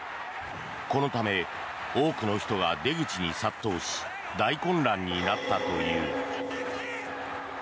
このため多くの人が出口に殺到し大混乱になったという。